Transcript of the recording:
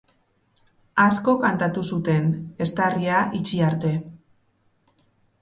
Asko kantatu zuten, eztarria itxi arte.